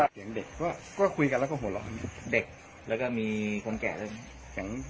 เสียงเด็กก็คุยกันและก็โหลล้อ